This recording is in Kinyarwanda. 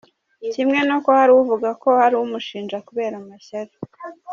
Kimwe n’uko hari uvuga ko hari umushinja kubera amashyari.